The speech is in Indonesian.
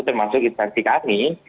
termasuk instansi kami